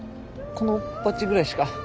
このバッジぐらいしか。